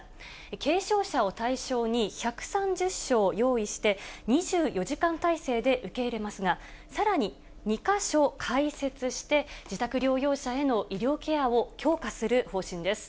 軽症者を対象に１３０床用意して、２４時間態勢で受け入れますが、さらに２か所開設して、自宅療養者への医療ケアを強化する方針です。